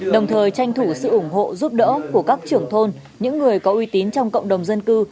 đồng thời tranh thủ sự ủng hộ giúp đỡ của các trưởng thôn những người có uy tín trong cộng đồng dân cư